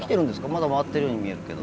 まだ回ってるように見えるけど。